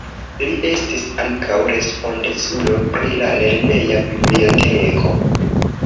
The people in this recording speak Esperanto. Li estis ankaŭ respondeculo pri la lerneja biblioteko.